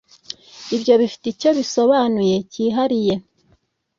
ibyo bifite icyo bisobanuye cyihariye